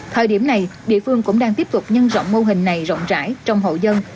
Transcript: thời điểm này địa phương cũng đang tiếp tục nhân rộng mô hình này rộng rãi trong hậu dân